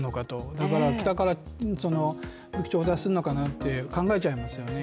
だから北から武器を調達するのかなって考えちゃいますよね。